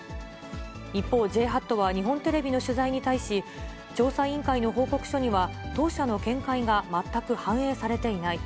一方、ＪＨＡＴは日本テレビの取材に対し、調査委員会の報告書には、当社の見解が全く反映されていない。